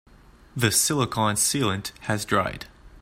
The silicon sealant has dried.